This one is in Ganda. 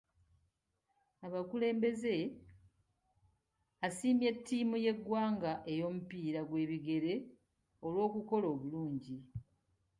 Abakulembeze asiimye ttiimu y'eggwanga ey'omupiira gw'ebigere olw'okukola obulungi.